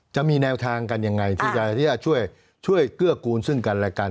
จะมีแนวทางกันยังไงที่จะช่วยเกื้อกูลซึ่งกันและกัน